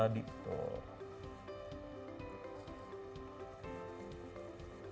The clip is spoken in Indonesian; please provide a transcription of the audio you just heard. jadi kita gulungkan